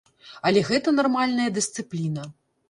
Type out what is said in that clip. Але гэта нармальная дысцыпліна.